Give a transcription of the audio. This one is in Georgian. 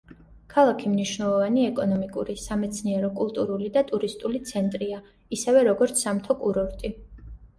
ქალაქი მნიშვნელოვანი ეკონომიკური, სამეცნიერო, კულტურული და ტურისტული ცენტრია, ისევე როგორც სამთო კურორტი.